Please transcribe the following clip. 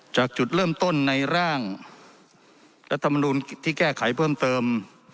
จากจุดเริ่มต้นในร่างรัฐมนุนที่แก้ไขเพิ่มเติม